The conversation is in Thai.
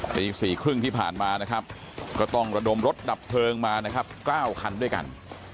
ตี๔๓๐ที่ผ่านมานะครับก็ต้องระดมรถดับเพลิงมานะครับ๙คันด้วยกัน